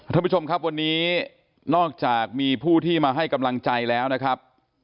ท่านผู้ชมครับวันนี้นอกจากมีผู้ที่มาให้กำลังใจแล้วนะครับ